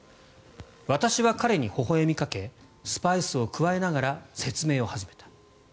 私は彼にほほ笑みかけスパイスを加えながら説明を始めた。